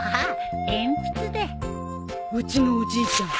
うちのおじいちゃん